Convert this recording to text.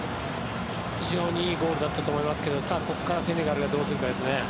非常にいいゴールだったと思いますけどさあ、ここからセネガルがどうするかですね。